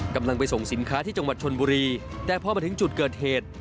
กำลังไปส่งสินค้าที่จังหวัดชนบุรีแต่พอมาถึงจุดเกิดเหตุ